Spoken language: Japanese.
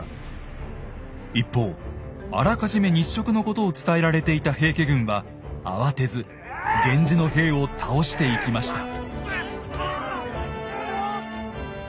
一方あらかじめ日食のことを伝えられていた平家軍は慌てず源氏の兵を倒していきました。